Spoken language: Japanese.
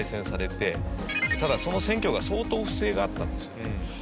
ただその選挙が相当不正があったんですよね。